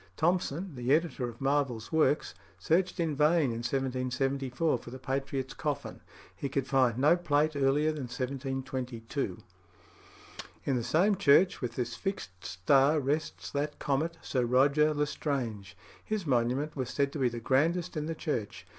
Thompson, the editor of Marvell's works, searched in vain in 1774 for the patriot's coffin. He could find no plate earlier than 1722. In the same church with this fixed star rests that comet, Sir Roger l'Estrange. His monument was said to be the grandest in the church.